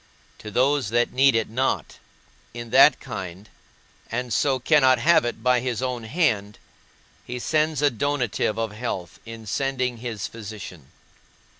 To those that need it not, in that kind, and so cannot have it by his own hand, he sends a donative of health in sending his physician.